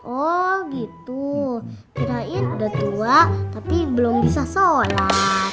oh gitu kitain udah tua tapi belum bisa sholat